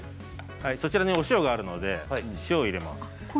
そちらにお塩があるので塩を入れます。